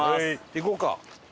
行こうか。